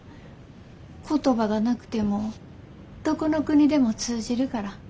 言葉がなくてもどこの国でも通じるから。